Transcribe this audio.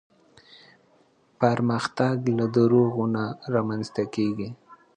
پرمختګ له دروغو نه رامنځته کېږي.